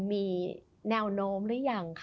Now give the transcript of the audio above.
มีแนวโน้มหรือยังคะ